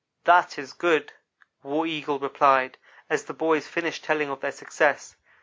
"That is good," War Eagle replied, as the boys finished telling of their success.